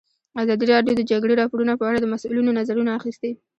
ازادي راډیو د د جګړې راپورونه په اړه د مسؤلینو نظرونه اخیستي.